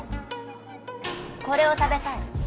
これを食べたい。